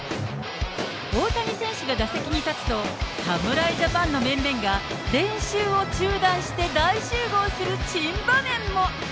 大谷選手が打席に立つと、侍ジャパンの面々が、練習を中断して大集合する珍場面も。